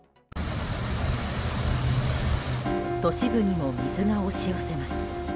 都市部にも水が押し寄せます。